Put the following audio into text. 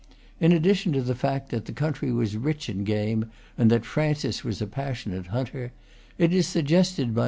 In addition to the fact that the country was rich in game and that Francis was a passionate hunter, it is suggested by M.